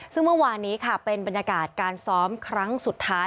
ซึ่งเมื่อวานนี้ค่ะเป็นบรรยากาศการซ้อมครั้งสุดท้าย